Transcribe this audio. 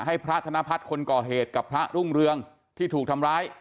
ให้พระธนพัฒน์คนก่อเหตุกับพระรุ่งเรืองที่ถูกทำร้าย